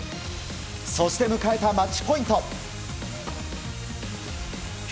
そして迎えたマッチポイント。